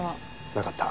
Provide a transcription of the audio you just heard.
なかった。